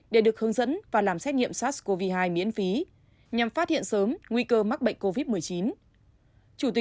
để được hướng dẫn và làm xét nghiệm sars cov hai miễn phí nhằm phát hiện sớm nguy cơ mắc bệnh covid một mươi chín